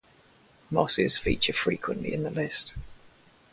Mosses feature frequently in the list.